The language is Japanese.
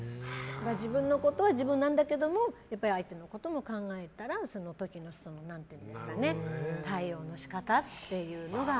自分のことは自分なんだけど相手のことも考えたらその時の対応の仕方っていうのが。